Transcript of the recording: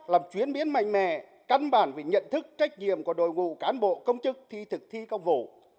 làm chuyến biến mạnh mẽ căn bản về nhận thức trách nhiệm của đội ngụ cán bộ công chức thi thực thi công vụ